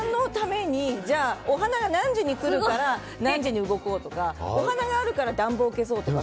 お花が何時に来るから何時に動こうとかお花があるから暖房を消そうとか。